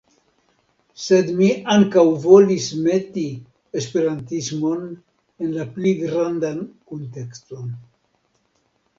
Sed mi ankaŭ volis meti esperantismon en la pli grandan kuntekston.